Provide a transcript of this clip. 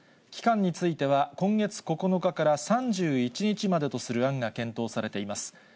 期間については今月９日から３１日までとする案が検討されています。